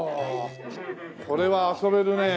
これは遊べるね。